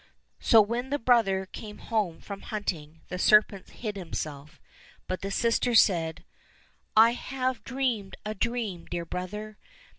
So when the brother came home from hunting the serpent hid himself, but the sister said, " I have 66 LITTLE TSAR NOVISHNY dreamed a dream, dear brother.